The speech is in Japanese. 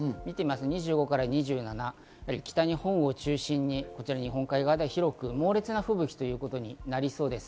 ２５日から２７日、北日本を中心に日本海側では猛烈な吹雪ということになりそうです。